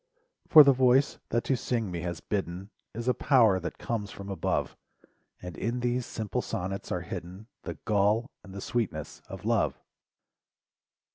For the voice that to sing me has bidden Is a power that comes from above. And in these simple sonnets are hidden The gall and the sweetness of love.